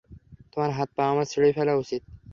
তোমার হাত পা আমার ছিঁড়ে ফেলা উচিত।